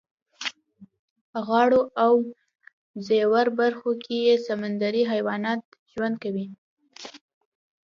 په غاړو او ژورو برخو کې یې سمندري حیوانات ژوند کوي.